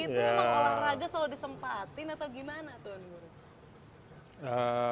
itu emang olahraga selalu disempatin atau gimana tuan guru